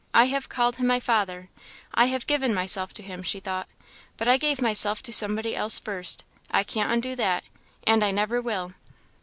I have called him my father I have given myself to him," she thought; "but I gave myself to somebody else first; I can't undo that and I never will!"